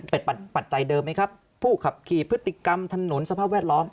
เป็นปัจจัยเดิมไหมครับผู้ขับขี่พฤติกรรมถนนสภาพแวดล้อม